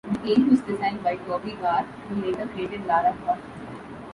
The game was designed by Toby Gard, who later created Lara Croft.